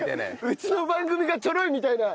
うちの番組がチョロいみたいな。